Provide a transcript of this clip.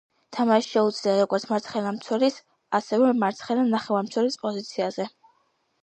თამაში შეუძლია როგორც მარცხენა მცველის, ასევე მარცხენა ნახევარმცველის პოზიციაზე.